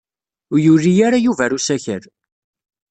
Ur yuli ara Yuba ɣer usakal.